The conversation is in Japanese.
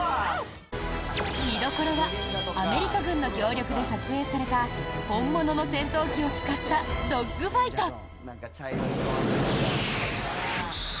見どころはアメリカ軍の協力で撮影された本物の戦闘機を使ったドッグファイト。